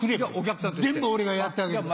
全部俺がやってあげる。